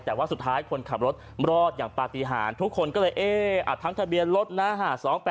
แต่ว่าสุดท้ายคนขับรถรอดอย่างปฏิหารทุกคนก็เลยเอ๊ะทั้งทะเบียนรถนะ